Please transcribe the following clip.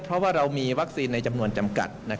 เพราะว่าเรามีวัคซีนในจำนวนจำกัด